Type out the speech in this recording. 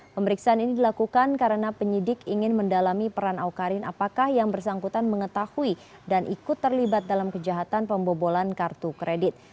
pemeriksaan ini dilakukan karena penyidik ingin mendalami peran awkarin apakah yang bersangkutan mengetahui dan ikut terlibat dalam kejahatan pembobolan kartu kredit